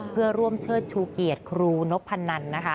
เพื่อร่วมเชิดชูเกียรติครูนพนันนะคะ